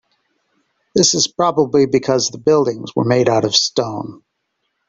This is probably because the buildings were made out of stone.